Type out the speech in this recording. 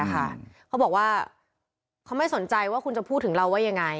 เขาบอกว่าเขาไม่สนใจว่าคุณจะพูดถึงเราว่ายังไง